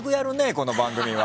この番組は。